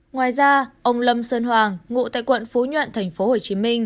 ngoài ra ông lâm sơn hoàng ngụ tại quận phú nhuận tp hcm